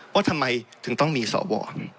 ว่าทำไมถึงต้องมีสว